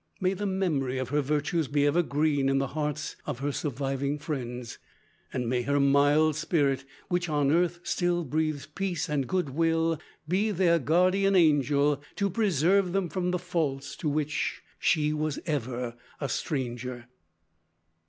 May the memory of her virtues be ever green in the hearts of her surviving friends. May her mild spirit, which on earth still breathes peace and good will, be their guardian angel to preserve them from the faults to which she was ever a stranger.